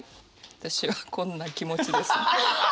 私はこんな気持ちです。